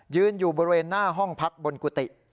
ยืนอยู่บริเวณหน้าห้องพักบนกุฏิ